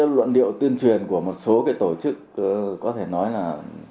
luận điệu tuyên truyền của một số tổ chức có thể nói là